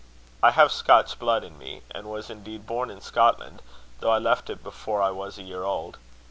I have Scotch blood in me, and was indeed born in Scotland, though I left it before I was a year old.